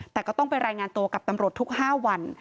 แต่ก็ต้องไปรายงานตัวกับตำรวจทุก๕วัน